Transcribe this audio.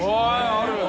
ある。